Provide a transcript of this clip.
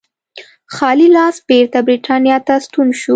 خالي لاس بېرته برېټانیا ته ستون شو.